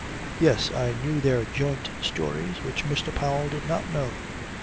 Yes, I knew their joint stories which Mr. Powell did not know.